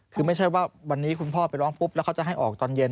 คือไม่ใช่ว่าวันนี้คุณพ่อไปร้องปุ๊บแล้วเขาจะให้ออกตอนเย็น